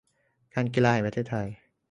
การกีฬาแห่งประเทศไทย